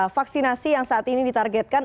vaksinasi yang saat ini ditargetkan